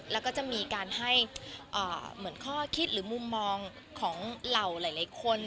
แล้วก็จะมีการให้เหมือนข้อคิดหรือมุมมองของเหล่าหลายคน